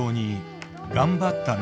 頑張ったね。